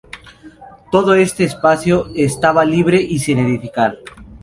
Todo este espacio estaba libre y sin edificar.